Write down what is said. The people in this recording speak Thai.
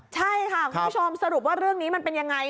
ใช่ค่ะคุณผู้ชมสรุปว่าเรื่องนี้มันเป็นยังไง